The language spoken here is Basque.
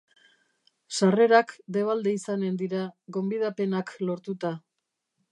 Sarrerak debalde izanen dira, gonbidapenak lortuta.